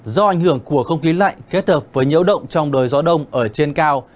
do ảnh hưởng của không khí lạnh kết hợp với nhiễu động trong đời gió đông ở trên cao